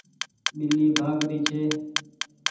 ٻلي ڀآگ ري ڇي۔